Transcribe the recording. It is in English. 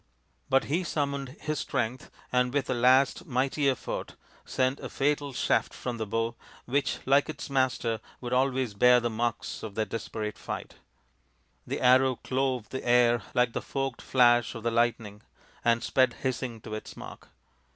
But he summoned his strength, and with a last mighty effort sent the fatal shaft from the bow, which, like its master, would always bear the marks of that ii6 THE INDIAN STORY BOOK desperate fight. The arrow clove the air like the forked flash of the lightning, and sped hissing to its mark.